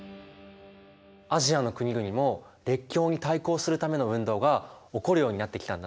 アジアの国々も列強に対抗するための運動が起こるようになってきたんだね。